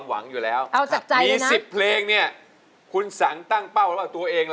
ร้านแรกคุณสรพงศ์